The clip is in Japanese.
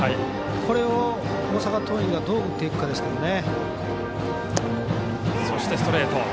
これを、大阪桐蔭がどう打っていくかですね。